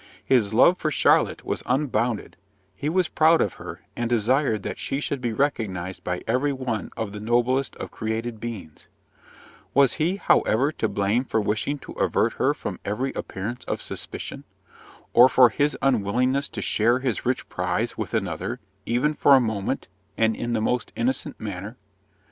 His love for Charlotte was unbounded: he was proud of her, and desired that she should be recognised by every one as the noblest of created beings. Was he, however, to blame for wishing to avert from her every appearance of suspicion? or for his unwillingness to share his rich prize with another, even for a moment, and in the most innocent manner?